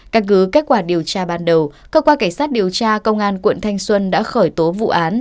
căn cứ kết quả điều tra ban đầu cơ quan cảnh sát điều tra công an quận thanh xuân đã khởi tố vụ án